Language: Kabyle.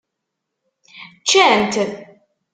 Ččant.